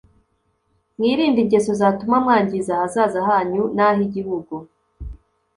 mwirinde ingeso zatuma mwangiza ahazaza hanyu n’ah’igihugu